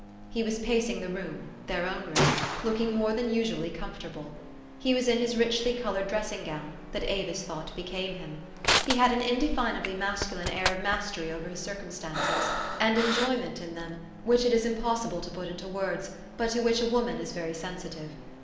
" He was pacing the room, their own room, looking more than usually comfortable. He was in his richly colored dressing gown, that Avis thought became him. He had an indefinably masculine air of mastery over his circumstances, and enjoyment in them, which it is impossible to put into words, but to which a woman is very sensitive.